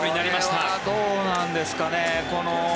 これはどうなんですかね。